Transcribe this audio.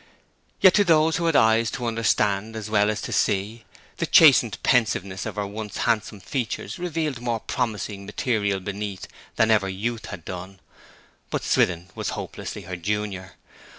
Yet to those who had eyes to understand as well as to see, the chastened pensiveness of her once handsome features revealed more promising material beneath than ever her youth had done. But Swithin was hopelessly her junior.